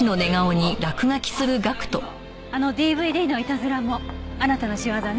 あのＤＶＤのイタズラもあなたの仕業ね？